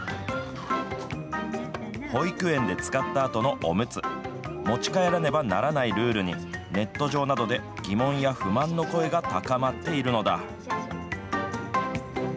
保育園で使ったあとのおむつ、持ち帰らねばならないルールに、ネット上などで疑問や不満の声が高まっているのだ。